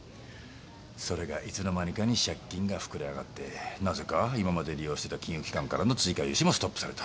それがいつの間にかに借金が膨れ上がってなぜか今まで利用してた金融機関からの追加融資もストップされた。